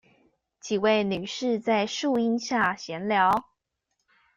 幾位女士在樹陰下閒談